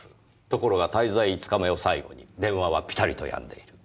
ところが滞在５日目を最後に電話はピタリとやんでいる。